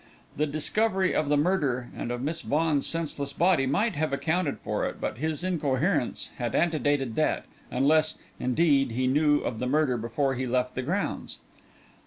The discovery of the murder and of Miss Vaughan's senseless body might have accounted for it, but his incoherence had antedated that unless, indeed, he knew of the murder before he left the grounds.